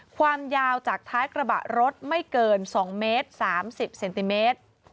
ความยาวจากท้ายกระบะรถไม่เกิน๒เมตร๓๐เซนติเมตร